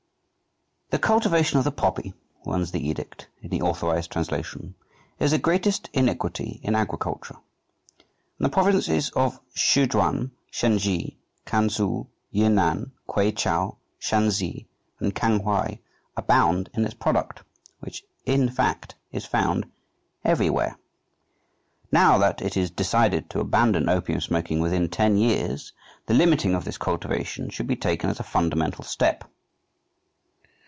"The cultivation of the poppy," runs the edict, in the authorized translation, "is the greatest iniquity in agriculture, and the provinces of Szechuen, Shensi, Kansu, Yunnan, Kweichow, Shansi, and Kanghuai abound in its product, which, in fact, is found everywhere. Now that it is decided to abandon opium smoking within ten years, the limiting of this cultivation should be taken as a fundamental step